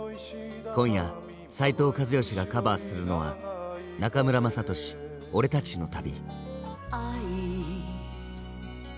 今夜斉藤和義がカバーするのは中村雅俊「俺たちの旅」。